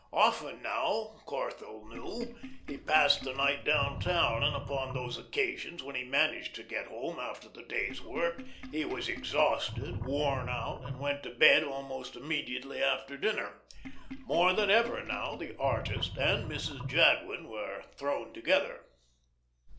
Often now, Corthell knew, he passed the night down town, and upon those occasions when he managed to get home after the day's work, he was exhausted, worn out, and went to bed almost immediately after dinner. More than ever now the artist and Mrs. Jadwin were thrown together.